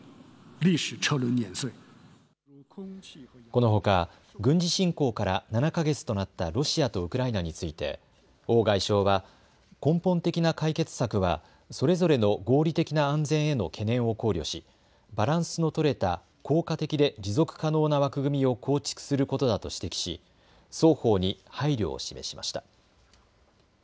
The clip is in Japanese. このほか軍事侵攻から７か月となったロシアとウクライナについて王外相は根本的な解決策はそれぞれの合理的な安全への懸念を考慮しバランスの取れた効果的で持続可能な枠組みを構築することだと指摘し双方に配慮を示しました。